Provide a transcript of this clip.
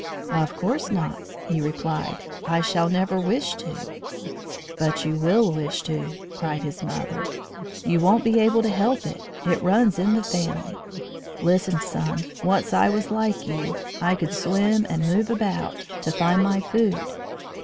"Of course not," he replied; "I shall never wish to." "But you will wish to," cried his mother. "You won't be able to help it. It runs in the family. Listen, son. Once I was like you; I could swim and move about to find my food.